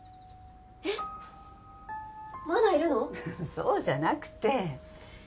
そうじゃなくて。